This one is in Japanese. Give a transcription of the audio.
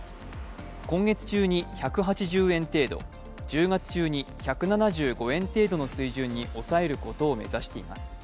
今月中に１８０円程度、１０月中に１７５円程度に抑えることを目指しています。